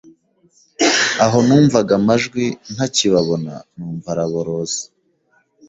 aho numvaga amajwi ntakibabona numva araboroze